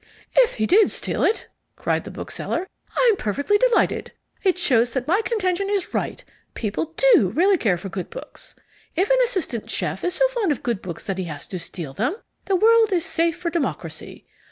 "If he did steal it," cried the bookseller, "I'm perfectly delighted. It shows that my contention is right: people DO really care for good books. If an assistant chef is so fond of good books that he has to steal them, the world is safe for democracy.